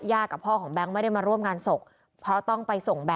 กับพ่อของแบงค์ไม่ได้มาร่วมงานศพเพราะต้องไปส่งแบบ